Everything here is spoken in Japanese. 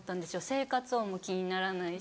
生活音も気にならないし。